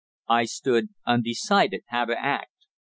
I stood undecided how to act.